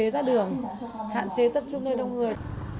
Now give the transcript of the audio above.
ra đường hạn chế tập trung nơi đông người